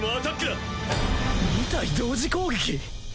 ２体同時攻撃？